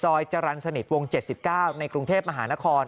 จรรย์สนิทวง๗๙ในกรุงเทพมหานคร